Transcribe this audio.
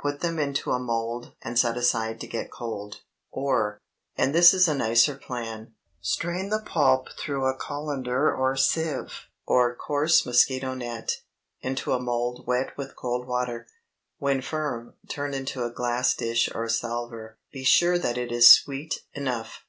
Put them into a mould and set aside to get cold. Or, ✠ And this is a nicer plan—strain the pulp through a cullender or sieve, or coarse mosquito net, into a mould wet with cold water. When firm, turn into a glass dish or salver. Be sure that it is sweet enough.